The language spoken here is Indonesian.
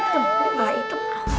kepala hitam apa